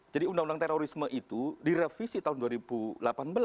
jadi undang undang terorisme itu direvisi tahun dua ribu delapan belas